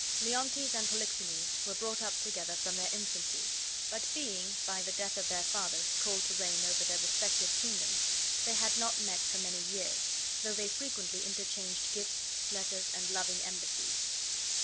Leontes and Polixenes were brought up together from their infancy, but being, by the death of their fathers, called to reign over their respective kingdoms, they had not met for many years, though they frequently interchanged gifts, letters, and loving embassies.